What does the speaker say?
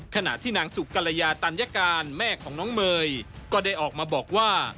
ขณะที่นางสุกรยาตัญญาการแม่ของน้องเมย์ก็ได้ออกมาบอกว่า